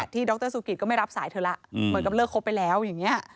ดรสุกิตก็ไม่รับสายเธอแล้วเหมือนกับเลิกครบไปแล้วอย่างนี้